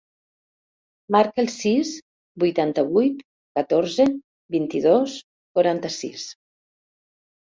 Marca el sis, vuitanta-vuit, catorze, vint-i-dos, quaranta-sis.